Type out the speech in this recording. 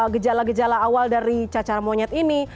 gejala gejala awal dari cacar monyet ini